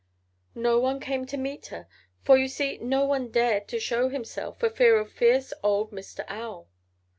No one came to meet her, for you see no one dared to show himself for fear of fierce old Mr. Owl.